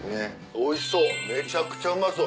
おいしそうめちゃくちゃうまそう。